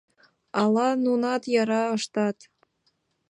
Ала нунат яра ыштат?